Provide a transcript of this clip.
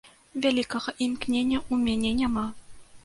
Вялікага імкнення ў мяне няма.